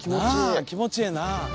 なあ気持ちええな。